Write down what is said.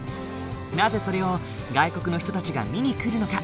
なぜそれを外国の人たちが見に来るのか？